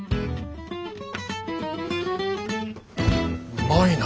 うまいな。